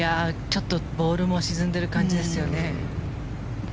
ちょっとボールも沈んでる感じですよね。